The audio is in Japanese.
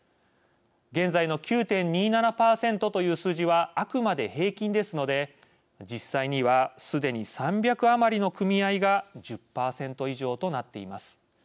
現在の９．２７％という数字はあくまで平均ですので実際にはすでに３００余りの組合が１０％以上となっています。